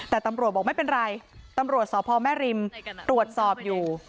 แต่ตำรวจบอกไม่เป็นไรตำรวจสพแม่ริมตรวจสอบอยู่